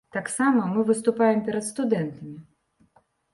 Таксама мы выступаем перад студэнтамі.